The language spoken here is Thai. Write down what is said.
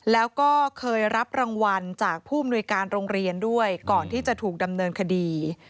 แล้วก็เคยรับรางวัลจากผู้อำนวยการโรงเรียนด้วยก่อนที่จะถูกดำเนินคดี